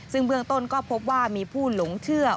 ซึ่งเบื้องต้นก็พบว่ามีผู้หลงเชื่อ